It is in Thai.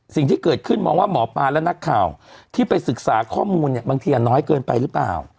สิ่งที่เกิดขึ้นมองว่าหมอปลาและนักข่าวที่ไปศึกษาข้อมูลเนี่ยบางทีน้อยเกินไปหรือเปล่า